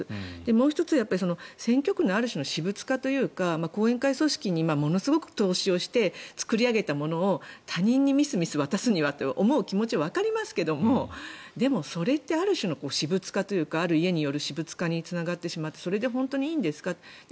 もう１つ選挙区のある種の私物化というか後援会組織にものすごく投資して作り上げたものを他人にみすみす渡すにはって思う気持ちはわかりますけどでもそれってある種の私物化というかある家の私物化につながってしまってそれで本当にいいんですかと。